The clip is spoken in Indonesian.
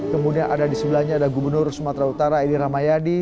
kemudian ada di sebelahnya ada gubernur sumatera utara edi rahmayadi